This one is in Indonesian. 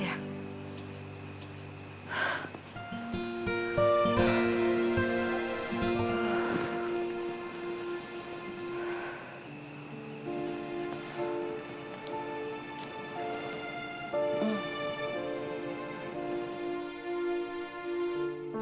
ya tidak bu apa apa